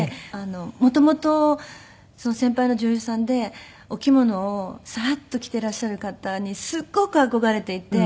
元々先輩の女優さんでお着物をさらっと着ていらっしゃる方にすごく憧れていて。